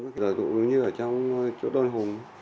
giả dụ như ở trong chỗ đoàn hùng